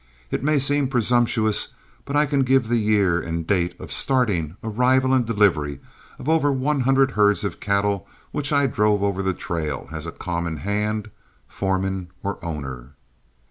It may seem presumptuous, but I can give the year and date of starting, arrival, and delivery of over one hundred herds of cattle which I drove over the trail as a common hand, foreman, or owner.